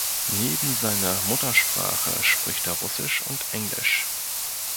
Neben seiner Muttersprache spricht er Russisch und Englisch.